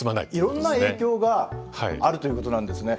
いろんな影響があるということなんですね。